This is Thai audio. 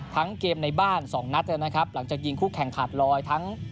เกมในบ้านสองนัดนะครับหลังจากยิงคู่แข่งขาดลอยทั้ง